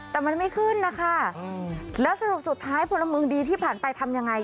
แต่มันไม่ขึ้นนะคะแล้วสรุปสุดท้ายพลเมืองดีที่ผ่านไปทำยังไง